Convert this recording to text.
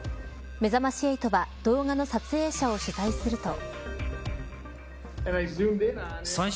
めざまし８は動画の撮影者を取材すると。